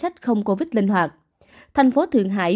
covid một mươi chín linh hoạt thành phố thượng hải